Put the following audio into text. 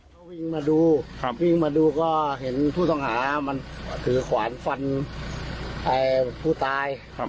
ก็วิ่งมาดูวิ่งมาดูก็เห็นผู้ต้องหามันถือขวานฟันผู้ตาย